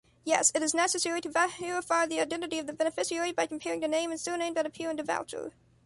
Yes, it is necessary to verify the identity of the beneficiary by comparing the name and surname that appear in the voucher.